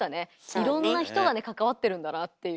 いろんな人がね関わってるんだなあっていう。